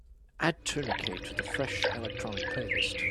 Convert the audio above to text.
Add Tourniquet to the fresh electronic playlist.